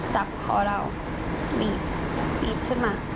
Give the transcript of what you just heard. จับคอเราบีบขึ้นมา